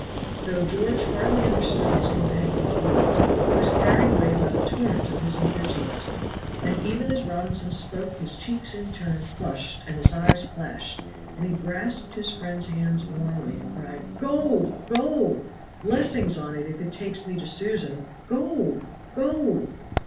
Though George hardly understood his companion's words, he was carried away by the torrent of his enthusiasm, and even as Robinson spoke his cheeks in turn flushed and his eyes flashed, and he grasped his friend's hands warmly, and cried, "GOLD! GOLD! blessings on it if it takes me to Susan; GOLD! GOLD!"